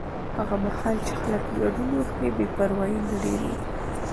هغه مهال چې خلک ګډون وکړي، بې پروایي نه ډېریږي.